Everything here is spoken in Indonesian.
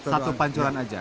satu pancuran aja